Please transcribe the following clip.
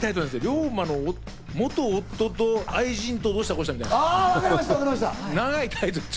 龍馬の元夫と愛人と、どうしたこうしたみたいな、長いタイトル。